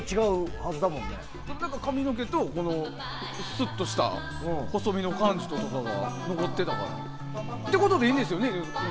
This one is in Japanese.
髪の毛とすっとした細身の感じとかが残ってたから。ということでいいんですよね？